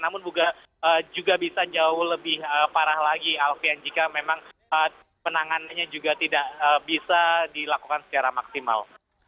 namun juga bisa jauh lebih parah lagi alfian jika memang penanganannya juga tidak bisa dilakukan secara maksimal